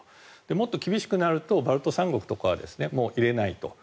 もっと厳しくなるとバルト三国とかはもう入れないと。